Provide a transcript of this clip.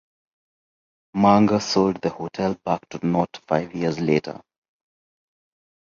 Manger sold the hotel back to Knott five years later.